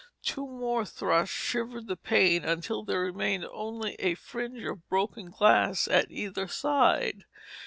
Two more thrusts shivered the pane until there remained only a fringe of broken glass at either side.